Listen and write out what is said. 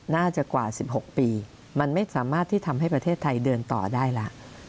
น่าจะกว่า๑๖ปีมันไม่สามารถที่ทำให้ประเทศไทยเดินต่อได้แล้ว